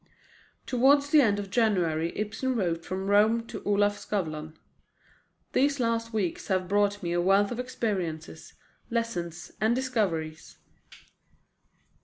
Towards the end of January Ibsen wrote from Rome to Olaf Skavlan: "These last weeks have brought me a wealth of experiences, lessons, and discoveries.